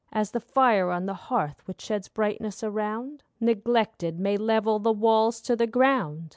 As the fire on the hearth which sheds brightness around, Neglected, may level the walls to the ground.